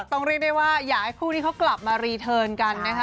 ต้องเรียกได้ว่าอยากให้คู่นี้เขากลับมารีเทิร์นกันนะคะ